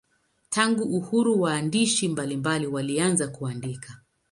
Tangu uhuru waandishi mbalimbali walianza kuandika.